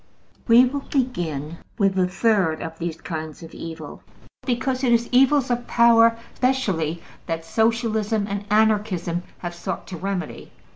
We will begin with the third of these kinds of evil, because it is evils of power specially that Socialism and Anarchism have sought to remedy.